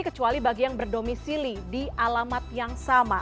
kecuali bagi yang berdomisili di alamat yang sama